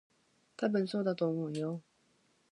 たぶん、そうだと思うよ。